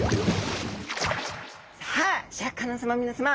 さあシャーク香音さま皆さま。